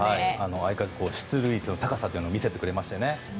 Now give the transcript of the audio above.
相変わらずの出塁率の高さを見せてくれましたよね。